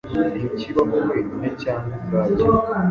Ntikibaho wenyine cyangwa ubwacyo.